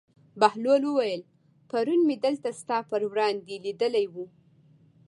بهلول وویل: پرون مې دلته ستا پر وړاندې لیدلی و.